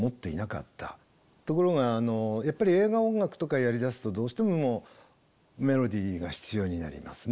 ところがやっぱり映画音楽とかやりだすとどうしてもメロディーが必要になりますね。